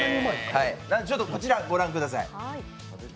なので、こちらご覧ください。